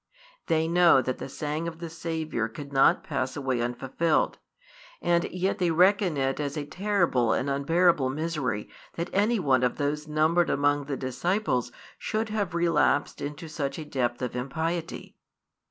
They know that the saying of the Saviour could not pass away unfulfilled; and yet they reckon it as a terrible and unbearable misery that any one of those numbered among the disciples should have relapsed into such a depth of |196 impiety.